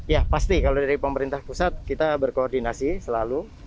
ya pasti kalau dari pemerintah pusat kita berkoordinasi selalu